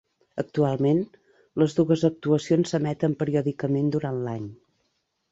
Actualment, les dues actuacions s'emeten periòdicament durant l'any.